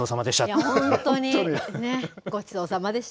いや、本当にね、ごちそうさまでした。